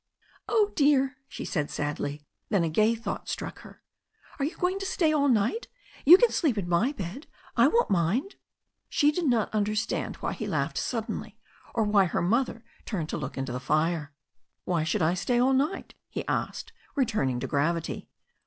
"Oh, dear!" she said sadly. Then a gay thought struck her. "Are you going to stay all night? You can sleep in. my bed. I won't mind." She did not understand why he laughed suddenly or why her mother turned to look into the fire. "Why should I stay all night?" he asked, returning to gravity.